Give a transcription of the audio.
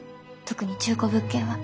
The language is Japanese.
特に中古物件は。